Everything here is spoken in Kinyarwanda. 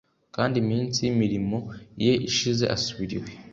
kandi ''iminsi y'imirimo ye ishize asubira iwe.